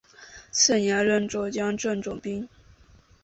次年任右江镇总兵。